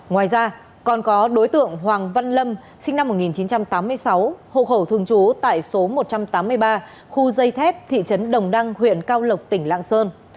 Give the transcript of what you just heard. ngoài ra còn có đối tượng hoàng văn lâm sinh năm một nghìn chín trăm tám mươi sáu hộ khẩu thường trú tại số một trăm tám mươi ba khu dây thép thị trấn đồng đăng huyện cao lộc tỉnh lạng sơn